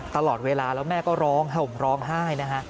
ตลอดเวลาแล้วแม่ก็ร้องห่มร้องไห้นะฮะ